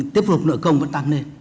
tiếp lục nợ công vẫn tăng lên